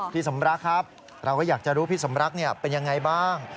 พี่สมรักครับเราก็อยากจะรู้พี่สมรักเป็นยังไงบ้าง